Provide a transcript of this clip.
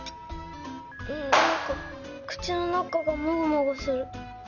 んなんかくちのなかがモゴモゴする。